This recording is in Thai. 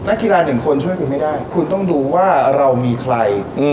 กีฬาหนึ่งคนช่วยคุณไม่ได้คุณต้องดูว่าเรามีใคร